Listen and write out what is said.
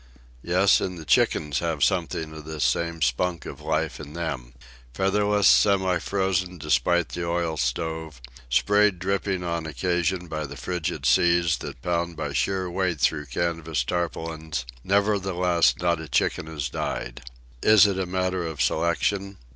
Yes; and the chickens have something of this same spunk of life in them. Featherless, semi frozen despite the oil stove, sprayed dripping on occasion by the frigid seas that pound by sheer weight through canvas tarpaulins, nevertheless not a chicken has died. Is it a matter of selection?